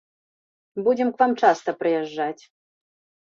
Будзем к вам часта прыязджаць.